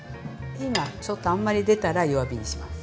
今ちょっとあんまり出たら弱火にします。